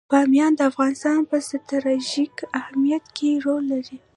بامیان د افغانستان په ستراتیژیک اهمیت کې رول لري.